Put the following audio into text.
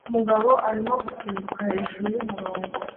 Umugabo arimo gusimbuka hejuru yumurongo